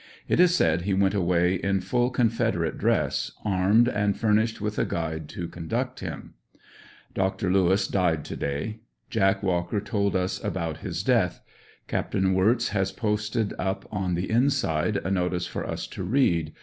It is said he went away in full Confederate dress, armed, and furnished with a guide to conduct him. Dr. Lewis died to day. Jack Walker told us about his death. Capt. Wirtz has posted up on the inside a notice for us to read.